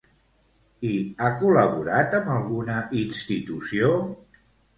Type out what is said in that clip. I ha col·laborat amb alguna institució?